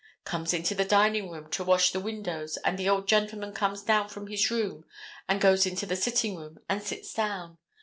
Comes into the dining room to wash the windows and the old gentleman comes down from his room and goes into the sitting room and sits down.